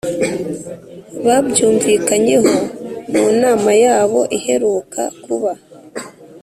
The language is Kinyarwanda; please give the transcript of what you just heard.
babyumvikanyeho mu nama yabo iheruka kuba